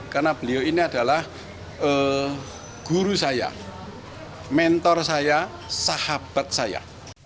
karena beliau ini adalah guru saya mentor saya sahabat saya